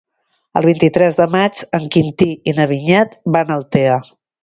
El vint-i-tres de maig en Quintí i na Vinyet van a Altea.